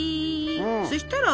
そしたら？